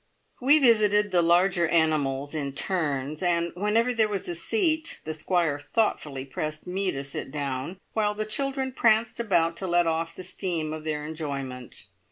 We visited the larger animals in turns, and whenever there was a seat the Squire thoughtfully pressed me to sit down, while the children pranced about to let off the steam of their enjoyment.